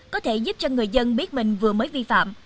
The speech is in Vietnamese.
có thể giúp cho người dân biết mình vừa mới vi phạm